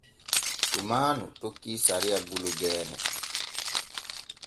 Sumaanu tokkii sariya bulu geene.